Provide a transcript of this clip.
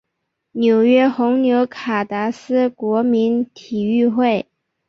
纽约红牛卡达斯国民体育会